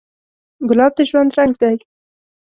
ګلاب د ژوند رنګ دی.